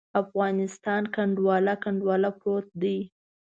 افغانستان کنډواله، کنډواله پروت دی.